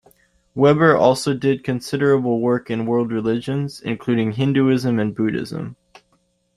Weber also did considerable work in world religions, including Hinduism and Buddhism.